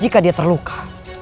jika dia terluka